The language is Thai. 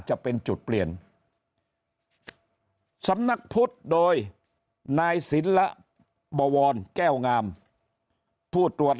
จะเป็นจุดเปลี่ยนสำนักพุทธโดยนายศิลบวรแก้วงามผู้ตรวจ